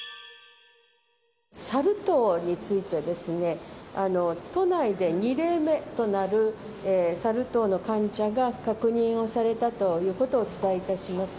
サル痘についてですね、都内で２例目となるサル痘の患者が確認をされたということをお伝